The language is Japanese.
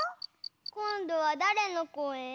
こんどはだれのこえ？